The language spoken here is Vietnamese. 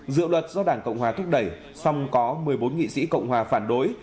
dự luật do đảng cộng hòa thúc đẩy xong có một mươi bốn nghị sĩ cộng hòa phản đối